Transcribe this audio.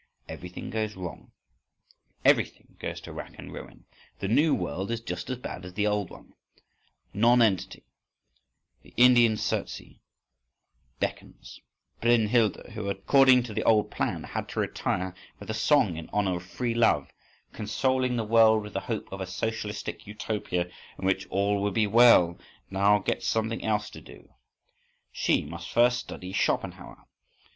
Everything goes wrong, everything goes to wrack and ruin, the new world is just as bad as the old one:—Nonentity, the Indian Circe beckons … Brunnhilda, who according to the old plan had to retire with a song in honour of free love, consoling the world with the hope of a socialistic Utopia in which "all will be well"; now gets something else to do. She must first study Schopenhauer.